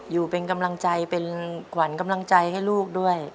อยู่เป็นกำลังใจเป็นขวัญกำลังใจให้ลูกด้วย